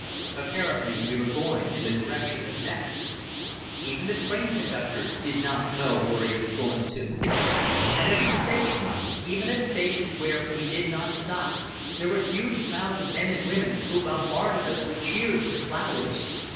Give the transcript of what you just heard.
Apparently we were going in the direction of Metz. Even the train conductor did not know where he was going to. At every station, even at stations where we did not stop, there were huge crowds of men and women who bombarded us with cheers and flowers.